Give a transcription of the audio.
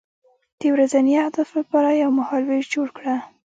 د ورځني اهدافو لپاره یو مهالویش جوړ کړه.